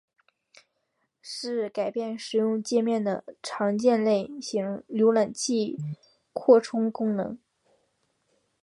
是改变使用介面的常见类型浏览器扩充功能。